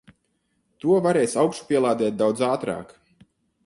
To varēs augšupielādēt daudz ātrāk.